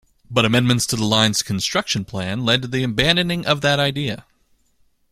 But amendments to the line's construction plan lead to the abandoning of that idea.